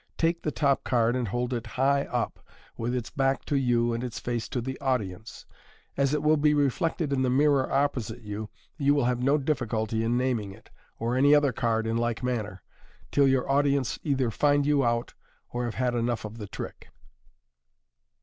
Take the top card and hold it high up, with its back to you and its face to the audience. As it will be reflected in the mirror opposite you, you will have no difficulty in naming it, of any other card in like manner, till your audience either find you out* or have had enough of the trick.